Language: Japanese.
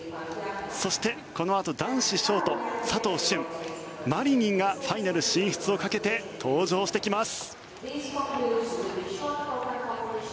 そして、このあと男子ショート佐藤駿、マリニンがファイナル進出をかけて登場してきます。